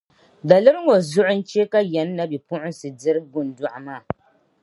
Daliri ŋɔ zuɣu n-chɛ ka Yani nabipuɣinsi n-diri Gundɔɣu maa.